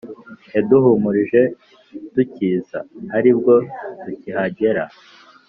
yaduhumurije tukiza aribwo tukihagera